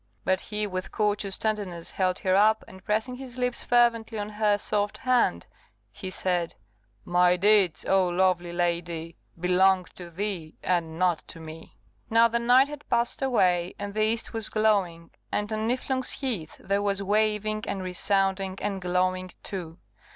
But he with courteous tenderness held her up, and pressing his lips fervently on her soft hand, he said, "My deeds, O lovely lady, belong to thee, and not to me!" Now the night had passed away, and the east was glowing; and on Niflung's Heath there was waving, and resounding, and glowing too.